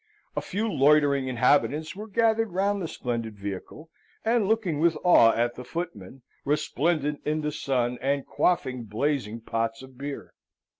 A few loitering inhabitants were gathered round the splendid vehicle, and looking with awe at the footmen, resplendent in the sun, and quaffing blazing pots of beer.